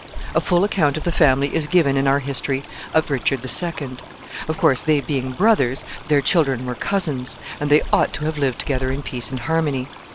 A full account of the family is given in our history of Richard the Second. Of course, they being brothers, their children were cousins, and they ought to have lived together in peace and harmony.